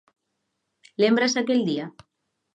Lembras aquel día?